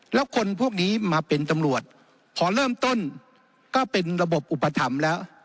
แล้วคนพวกนี้มาเป็นตำรวจพอเริ่มต้นก็เป็นระบบอุปถัมภ์แล้ว